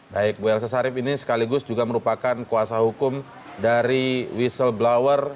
baik bu elsa sarif ini sekaligus juga merupakan kuasa hukum dari whistleblower